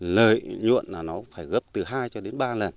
lợi nhuận là nó phải gấp từ hai cho đến ba lần